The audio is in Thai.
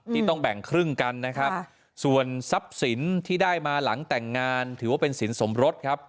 ที่ต้องแบ่งครึ่งกันนะครับส่วนทรัพย์สินที่ได้มาหลังแต่งงานถือว่าเป็นสินสมรสครับ